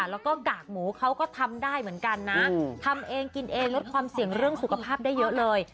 แล้วก็กากหมูเขาก็ทำได้เหมือนกันนะทำเองกินเองลดความเสี่ยงเรื่องสุขภาพได้เยอะเลย